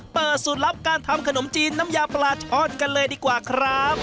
เปิดสูตรลับการทำขนมจีนน้ำยาปลาช่อนกันเลยดีกว่าครับ